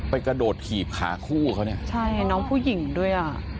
ไปกระโดดขีบขาคู่เขาน้องผู้หญิงด้วย